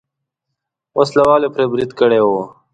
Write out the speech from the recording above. وسله والو پرې برید کړی و.